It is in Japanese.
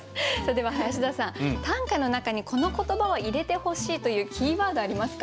では林田さん短歌の中にこの言葉は入れてほしいというキーワードありますか？